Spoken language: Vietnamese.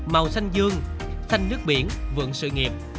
màu xanh dương xanh nước biển vượng sự nghiệp